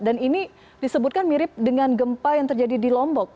dan ini disebutkan mirip dengan gempa yang terjadi di lombok